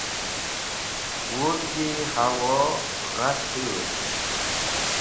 wudgi hawo gha sur